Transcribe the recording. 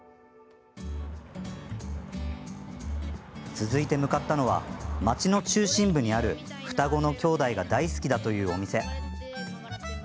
続いて向かったのは町の中心部にある双子の兄弟が大好きだというお店。